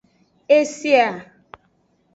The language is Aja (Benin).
E se a.